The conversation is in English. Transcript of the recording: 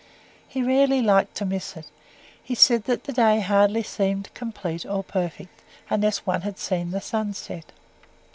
He rarely liked to miss it he said the day hardly seemed complete or perfect unless one had seen the sun set.